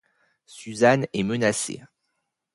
Suzanne est menacée.